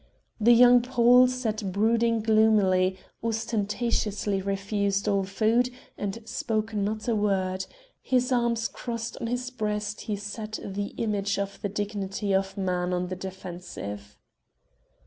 The young Pole sat brooding gloomily, ostentatiously refused all food and spoke not a word; his arms crossed on his breast he sat the image of the Dignity of Man on the defensive.